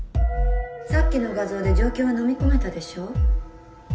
さっきの画像で状況はのみこめたでしょう？